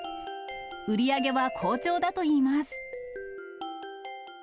売り上げは好調だといいます。